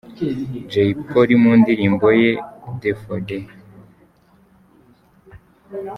Jay Polly mu ndirimbo ye Deux fois Deux.